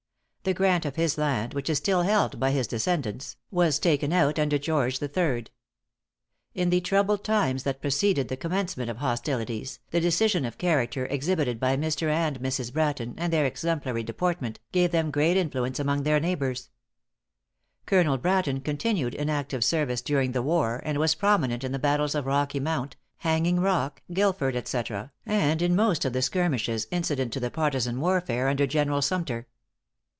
The grant of his land, which is still held by his descendants, was taken out under George the Third. In the troubled times that preceded the commencement of hostilities, the decision of character exhibited by Mr. and Mrs. Bratton, and their exemplary deportment, gave them great influence among the neighbors. Colonel Bratton continued in active service during the war, and was prominent in the battles of Rocky Mount, Hanging Rock, Guilford, etc., and in most of the skirmishes incident to the partisan warfare under General Sumter.